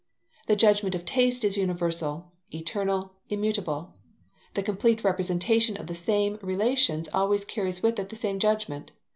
The judgment of taste is universal, eternal, immutable. The complete representation of the same relations always carries with it the same judgment.